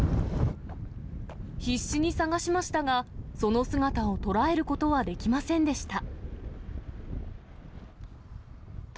必死に探しましたが、その姿を捉えることはできませんでした。